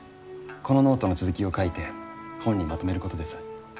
このノートの続きを書いて本にまとめることです。